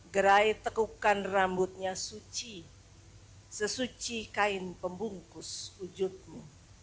gerai tekukan rambutnya suci sesuci kain pembungkus wujudmu